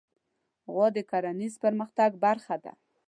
غوا د کرهڼیز پرمختګ برخه ده.